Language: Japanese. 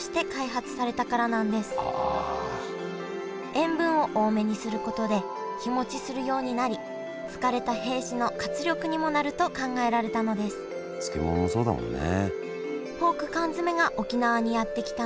塩分を多めにすることで日もちするようになり疲れた兵士の活力にもなると考えられたのです漬物もそうだもんね。